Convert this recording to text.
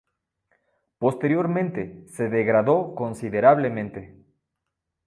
Posteriormente se degradó considerablemente.